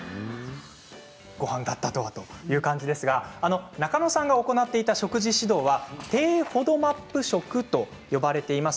ごはんだったとはという感じですけれど中野さんが行っていた食事指導は低ＦＯＤＭＡＰ食と呼ばれています。